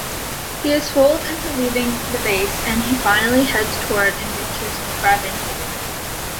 He is fooled into leaving the base, and finally heads toward and reaches Ravenholm.